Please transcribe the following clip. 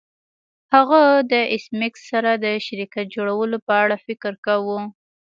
هغه د ایس میکس سره د شرکت جوړولو په اړه فکر کاوه